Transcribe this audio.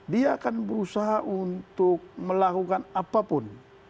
dia akan berusaha untuk melakukan apapun